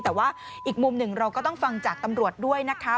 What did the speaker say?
แต่ว่าอีกมุมหนึ่งเราก็ต้องฟังจากตำรวจด้วยนะคะ